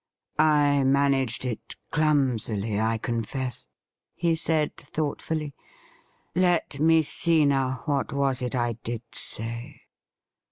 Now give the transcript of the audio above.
' I managed it clumsily, I confess,' he said thoughtfully. ' Let me see now — what was it I did say